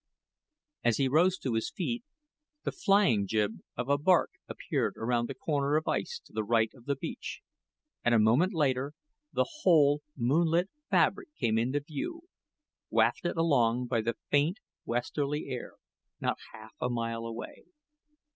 As he rose to his feet, the flying jib of a bark appeared around the corner of ice to the right of the beach, and a moment later the whole moon lit fabric came into view, wafted along by the faint westerly air, not half a mile away.